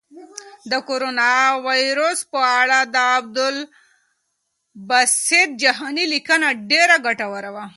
د کرونا وېروس په اړه د عبدالباسط جهاني لیکنه ډېره ګټوره وه.